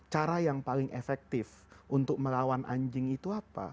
cara yang paling efektif untuk melawan anjing itu apa